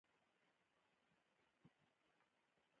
ځان یې مروه ته ورسولو.